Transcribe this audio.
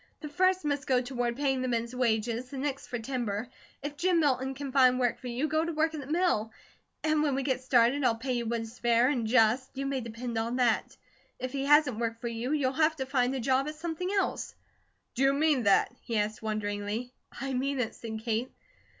The first must go toward paying the men's wages, the next for timber. If Jim Milton can find work for you, go to work at the mill, and when we get started I'll pay you what is fair and just, you may depend on that. If he hasn't work for you, you'll have to find a job at something else." "Do you mean that?" he asked wonderingly. "I mean it," said Kate.